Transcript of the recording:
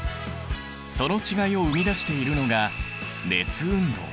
その違いを生み出しているのが熱運動。